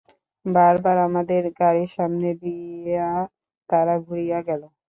বার বার আমাদের গাড়ির সামনে দিয়া তারা ঘুরিয়া গেল।